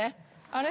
あれ？